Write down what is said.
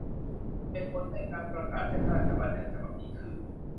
เหตุผลในการประกาศใช้พระราชบัญญัติฉบับนี้ คือ